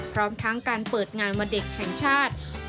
พร้อมทั้งการเปิดงานวันเด็กแห่งชาติ